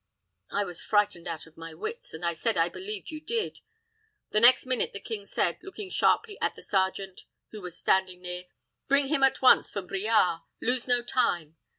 I was frightened out of my wits, and said I believed you did. The next minute the king said, looking sharply at the sergeant, who was standing near, 'Bring him at once from Briare. Lose no time.'